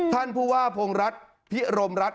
ท่านผู้ว่าพงรัฐพิรมรัฐ